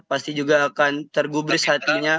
pasti juga akan tergubris hatinya